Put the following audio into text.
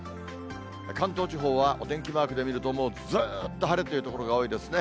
関東地方はお天気マークで見ると、もうずーっと晴れという所が多いですね。